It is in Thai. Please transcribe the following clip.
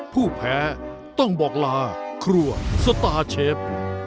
ผู้แพ้ต้องบอกลาครัวสตาร์เชฟ